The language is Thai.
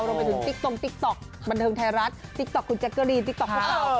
จากถึงติ๊กต้มติ๊กต๊อกบันเทิงไทยรัฐติ๊กต๊อกคุณแจ็คเกอรีติ๊กต้อก่อน